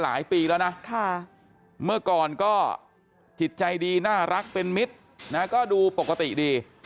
หลายปีแล้วนะเมื่อก่อนก็จิตใจดีน่ารักเป็นมิตรนะก็ดูปกติดี